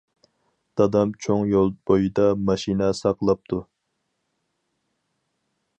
دادام چوڭ يول بويىدا ماشىنا ساقلاپتۇ.